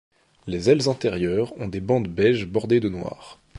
Les ailes antérieures ont des bandes beige bordées de noir.